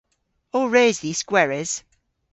O res dhis gweres?